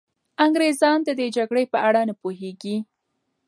انګریزان د دې جګړې په اړه نه پوهېږي.